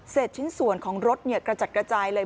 เสร็จชิ้นส่วนของรถเนี่ยกระจัดกระจายเลย